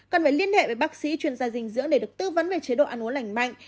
cần phải liên hệ với bác sĩ chuyên gia dinh dưỡng để được tư vấn về chế độ ăn uống lành mạnh